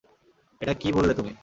এটা কী বললে তুমি?